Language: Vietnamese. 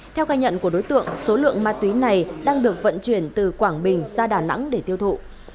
theo khai nhận của đối tượng số lượng ma túy này đang được vận chuyển từ quảng bình ra đà nẵng để tiêu thụ